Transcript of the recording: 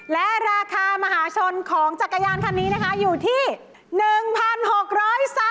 และราคามหาชนของจักรยานคันนี้นะคะอยู่ที่๑๖๓บาท